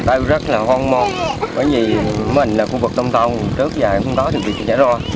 tao rất là hoan mộ bởi vì mình là khu vực tông thông trước dài không có được việc trả ro